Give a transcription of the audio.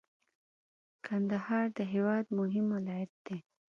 کندهار د هیواد مهم ولایت دی.